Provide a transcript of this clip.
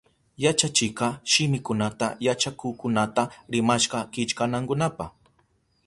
Yachachikka shimikunata yachakukkunata rimashka killkanankunapa.